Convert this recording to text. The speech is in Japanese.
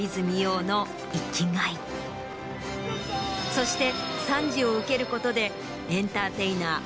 そして。